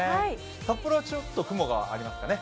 札幌はちょっと雲がありますかね。